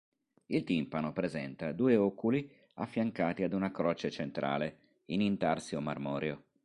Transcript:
Il timpano presenta due oculi affiancati ad una croce centrale, in intarsio marmoreo.